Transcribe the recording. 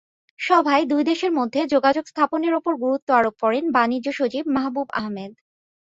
সভায় দুই দেশের মধ্যে যোগাযোগ স্থাপনের ওপর গুরুত্ব আরোপ করেন বাণিজ্যসচিব মাহবুব আহমেদ।